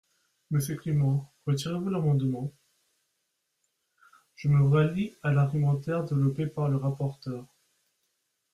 Monsieur Clément, retirez-vous l’amendement ? Je me rallie à l’argumentaire développé par le rapporteur.